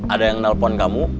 ada yang nelfon kamu